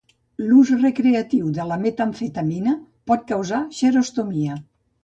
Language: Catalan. L'ús recreatiu de la metamfetamina pot causar xerostomia.